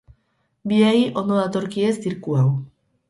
Biei ondo datorkie zirku hau.